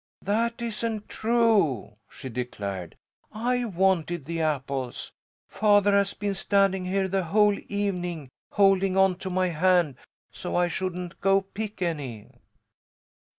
"That isn't true," she declared. "I wanted the apples. Father has been standing here the whole evening holding onto my hand so I shouldn't go pick any."